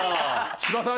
千葉さん